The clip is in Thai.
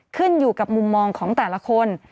ขึ้นอยู่กับมุมมองของแต่ละคน